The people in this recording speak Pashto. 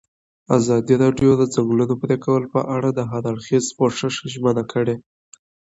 ازادي راډیو د د ځنګلونو پرېکول په اړه د هر اړخیز پوښښ ژمنه کړې.